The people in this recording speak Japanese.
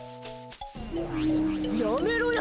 やめろや！